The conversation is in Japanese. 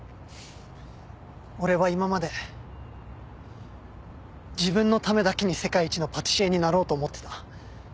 俺は今まで自分のためだけに世界一のパティシエになろうと思ってた。